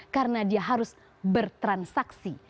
karena dia harus bertransaksi